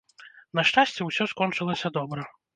На шчасце, усё скончылася добра.